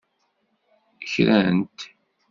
Kran-t.